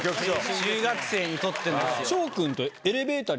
中学生にとってのですよ。